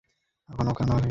এখানে কেন এসেছেন?